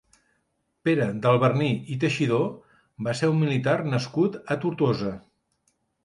Pere d'Alberní i Teixidor va ser un militar nascut a Tortosa.